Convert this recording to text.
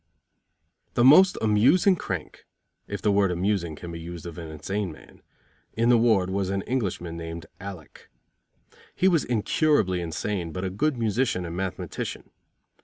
The most amusing crank (if the word amusing can be used of an insane man) in the ward was an Englishman named Alec. He was incurably insane, but a good musician and mathematician.